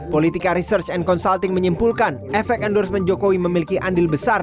politika research and consulting menyimpulkan efek endorsement jokowi memiliki andil besar